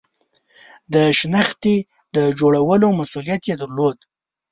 د شنختې د جوړولو مسئولیت یې درلود.